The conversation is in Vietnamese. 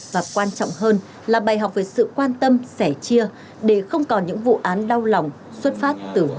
và quan trọng hơn là bài học về sự quan tâm sẻ chia để không còn những vụ án đau lòng xuất phát từ mâu thuẫn gia đình